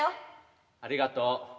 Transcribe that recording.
ありがとう。